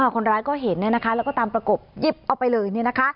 คนร้ายก็เห็นแล้วก็ตามประกบหยิบเอาไปเลย